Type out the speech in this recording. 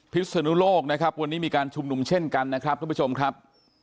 ศนุโลกนะครับวันนี้มีการชุมนุมเช่นกันนะครับทุกผู้ชมครับ